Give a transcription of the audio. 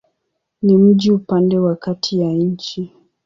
Ni mji upande wa kati ya nchi.